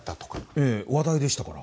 ええ話題でしたから。